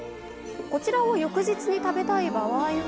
こちらを翌日に食べたい場合は。